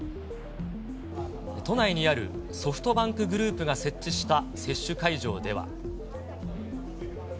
都内にあるソフトバンクグループが設置した接種会場では。